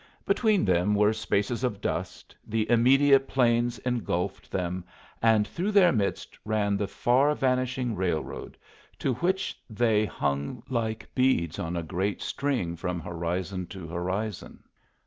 Between them were spaces of dust, the immediate plains engulfed them, and through their midst ran the far vanishing railroad, to which they hung like beads on a great string from horizon to horizon.